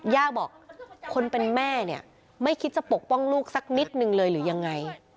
ย่าบอกคนเป็นแม่เนี่ยไม่คิดจะปกป้องลูกสักนิดนึงเลยหรือยังไง